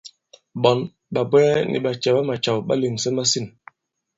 Ɓɔ̌n, ɓàbwɛɛ nì ɓàcɛ̀wamàcàw ɓà lèŋsɛ masîn.